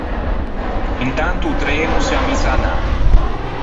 Intanto o treno o s’ea misso à anâ.